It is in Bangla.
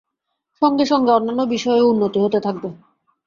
সঙ্গে সঙ্গে অন্যান্য বিষয়েও উন্নতি হতে থাকবে।